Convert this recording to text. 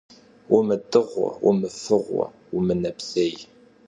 Умыдыгъуэ, умыфыгъуэ, умынэпсей.